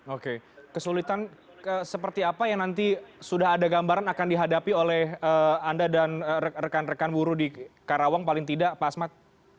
oke kesulitan seperti apa yang nanti sudah ada gambaran akan dihadapi oleh anda dan rekan rekan buruh di karawang paling tidak pak asmat